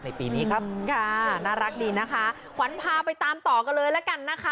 ปีนี้ครับค่ะน่ารักดีนะคะขวัญพาไปตามต่อกันเลยละกันนะคะ